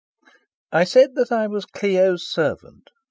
XI I said that I was Clio's servant.